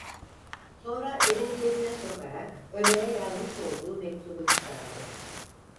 Sonra elini cebine sokarak Ömer’e yazmış olduğu mektubu çıkardı: